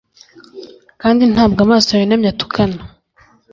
kandi ntabwo amaso yunamye atukana